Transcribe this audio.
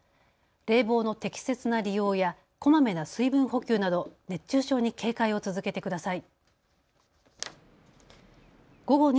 冷房の適切な利用やこまめな水分補給など熱中症に警戒を続けてください。